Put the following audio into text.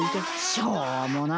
しょうもな。